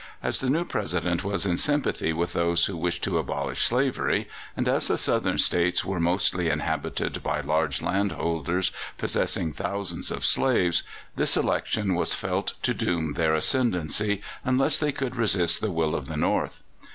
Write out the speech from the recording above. As the new President was in sympathy with those who wished to abolish slavery, and as the Southern States were mostly inhabited by large landholders possessing thousands of slaves, this election was felt to doom their ascendancy unless they could resist the will of the North.